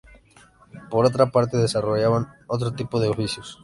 Por otra parte, desarrollaban otro tipo de oficios.